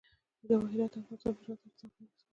جواهرات د افغانانو د ژوند طرز اغېزمنوي.